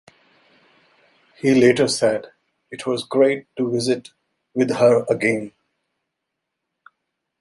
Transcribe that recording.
He later said: It was great to visit with her again.